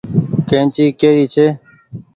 ڪيئنچي ڪي ري ڇي ۔